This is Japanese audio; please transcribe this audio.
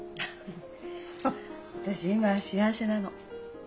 私今幸せなの。